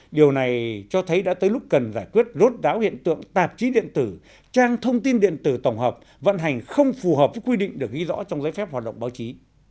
điều này cho thấy đã tới lúc cần giải quyết rốt ráo hiện tượng tạp chí điện tử trang thông tin điện tử tổng hợp vận hành không phù hợp với quy định được ghi rõ trong giấy phép hoạt động báo chí